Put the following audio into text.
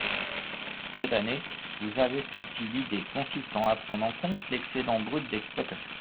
Cette année, vous avez sorti l’idée consistant à prendre en compte l’excédent brut d’exploitation.